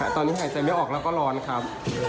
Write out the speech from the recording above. ตอนนี้หายใจไม่ออกแล้วก็ร้อนครับ